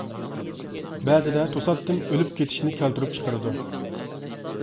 بەزىدە توساتتىن ئۆلۈپ كېتىشنى كەلتۈرۈپ چىقىرىدۇ.